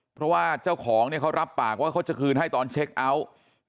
เพราะว่าเจ้าของเนี่ยเขารับปากว่าเขาจะคืนให้ตอนเช็คเอาท์